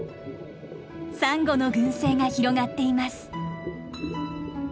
サンゴの群生が広がっています。